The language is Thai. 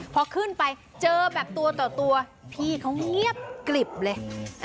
พอขึ้นไปเจอแบบตัวต่อตัวพี่เขาเงียบกลิบเลย